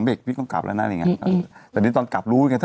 เบกพี่ต้องกลับแล้วนั่นอะไรอย่างนี้แต่นี้ตอนกลับรู้กัน